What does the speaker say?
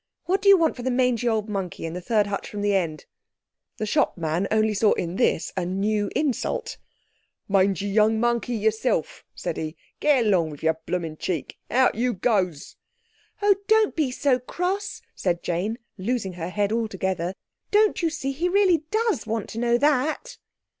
What do you want for the mangy old monkey in the third hutch from the end?" The shopman only saw in this a new insult. "Mangy young monkey yourself," said he; "get along with your blooming cheek. Hout you goes!" "Oh! don't be so cross," said Jane, losing her head altogether, "don't you see he really does want to know _that!